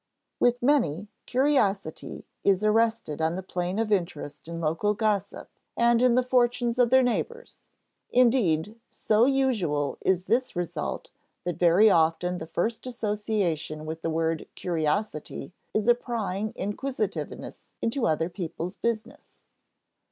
With many, curiosity is arrested on the plane of interest in local gossip and in the fortunes of their neighbors; indeed, so usual is this result that very often the first association with the word curiosity is a prying inquisitiveness into other people's business.